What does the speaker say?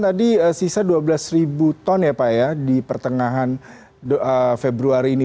tadi sisa dua belas ribu ton ya pak ya di pertengahan februari ini